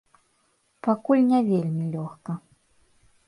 Пакуль не вельмі лёгка.